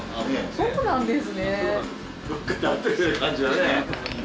そうなんです。